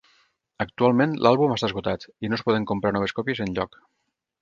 Actualment, l'àlbum està esgotat i no es poden comprar noves còpies enlloc.